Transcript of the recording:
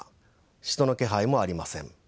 人の気配もありません。